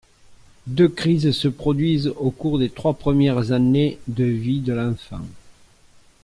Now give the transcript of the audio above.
Deux crises se produisent au cours des trois premières années de vie de l'enfant.